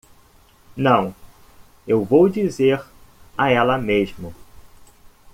Não? eu vou dizer a ela mesmo.